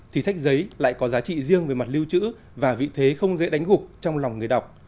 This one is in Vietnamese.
thì sách giấy lại có giá trị riêng về mặt lưu trữ và vị thế không dễ đánh gục trong lòng người đọc